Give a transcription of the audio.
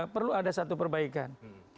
perlu ada satu perbaikan